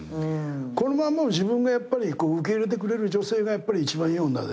このまんまの自分がやっぱり受け入れてくれる女性がやっぱり一番いい女だよ。